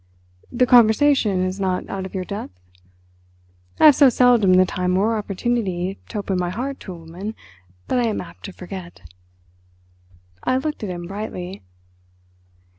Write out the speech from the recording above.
The conversation is not out of your depth? I have so seldom the time or opportunity to open my heart to a woman that I am apt to forget." I looked at him brightly.